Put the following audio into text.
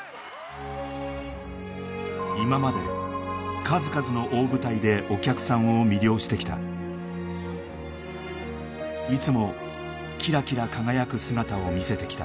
今まで数々の大舞台でお客さんを魅了してきたいつもキラキラ